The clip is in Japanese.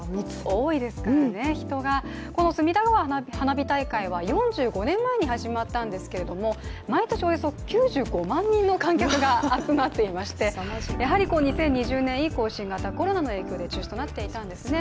多いですからね、人が、この隅田川花火大会は４５年前に始まったんですけど、毎年およそ９５万人の観客が集まっていましてやはり２０２０年以降、新型コロナの影響で中止となっていたんですね。